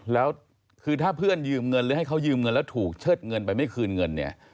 แล้วคือถ้าเพื่อนยืมเงินหรือให้เขายืมเงินแล้วถูกเชิดเงินไปไม่คืนเงินเนี่ย